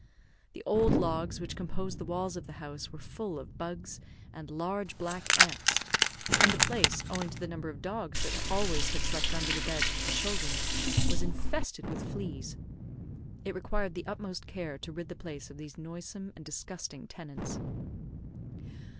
The old logs which composed the walls of the house were full of bugs and large black ants; and the place, owing to the number of dogs that always had slept under the beds with the children, was infested with fleas. It required the utmost care to rid the place of these noisome and disgusting tenants.